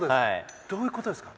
どういうことですか？